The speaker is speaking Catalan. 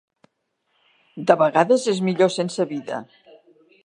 De vegades, és millor sense vida.